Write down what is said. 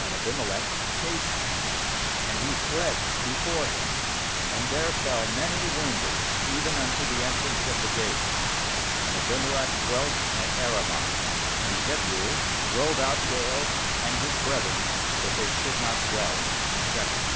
40 And Abimelech chased him, and he fled before him, and there fell many wounded, even unto the entrance of the gate. ^And Abimeleeh dwelt at Arumah; and Zebul drove out Gaal and his brethren, that they should not dwell in Shechem.